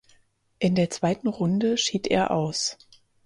In der zweiten Runde schied er aus.